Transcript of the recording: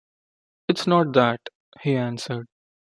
“It’s not that,” he answered.